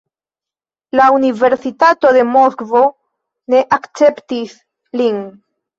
La universitato en Moskvo ne akceptis lin.